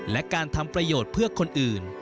และการทำประโยชน์เพื่อคนอื่น